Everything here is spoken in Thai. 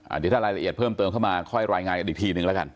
เดี๋ยวถ้ารายละเอียดเพิ่มเติมเข้ามาค่อยรายงานกันอีกทีนึงแล้วกัน